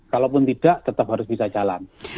kalau pun tidak tetap harus bisa jalan